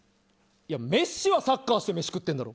メッシはサッカーして飯食ってるだろ。